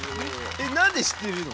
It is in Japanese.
えっなんで知ってるの？